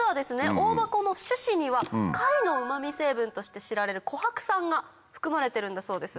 オオバコの種子には貝のうま味成分として知られるコハク酸が含まれてるんだそうです。